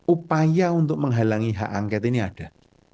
upaya untuk menghalangi hak angket ini ada